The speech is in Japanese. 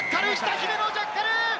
姫野ジャッカル！